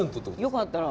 よかったら。